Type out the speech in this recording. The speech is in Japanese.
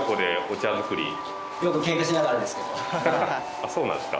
あっそうなんですか。